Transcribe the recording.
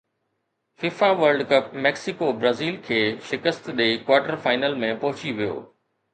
FIFA world cup Mexico Brazil کي شڪست ڏئي ڪوارٽر فائنل ۾ پهچي ويو